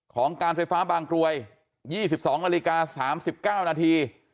ของการไฟฟ้าบางกลวยยี่สิบสองนาฬิกาสามสิบเก้านาที